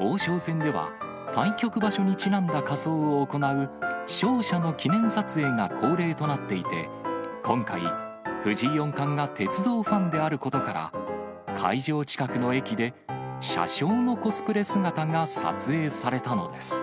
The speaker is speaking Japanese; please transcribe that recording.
王将戦では、対局場所にちなんだ仮装を行う、勝者の記念撮影が恒例となっていて、今回、藤井四冠が鉄道ファンであることから、会場近くの駅で、車掌のコスプレ姿が撮影されたのです。